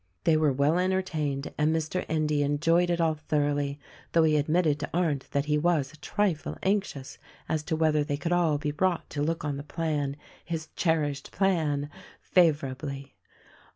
They were well entertained and Mr. Endy enjoyed it all thoroughly, though he admitted to Arndt that he was a trifle anxious as to whether they could all be brought to look on the plan (his cherished plan!) favorably.